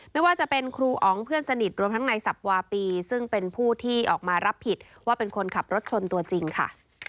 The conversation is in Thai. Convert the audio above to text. ไม่ว่าจะเป็นครูอ๋องเพื่อนสนิทรวมทั้งในสับวาปีซึ่งเป็นผู้ที่ออกมารับผิดว่าเป็นคนขับรถชนตัวจริงค่ะ